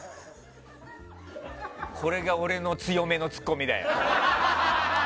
これが俺の強めのツッコミだよ。